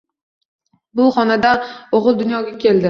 Bu xonadonda o`g`il dunyoga keldi